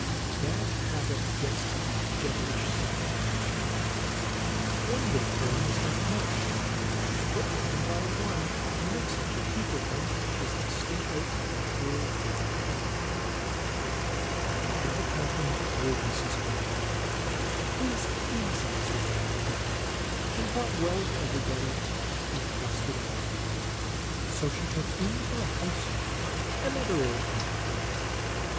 Bad habit gets to be devilish sec ond nature. One dead herring is not much, but one by one you may make such a heap of them as to stink out a whole village. THE MERRY TALES OF LOX. 175 As it happened to old Mrs. Bear, who was easy as regarded people, and thought well of everybody, and trusted all. So she took in for a house mate another old woman.